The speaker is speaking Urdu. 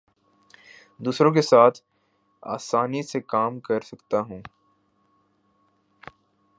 دوسروں کے ساتھ آسانی سے کام کر سکتا ہوں